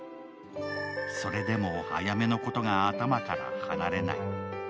それでもあやめのことが頭から離れない。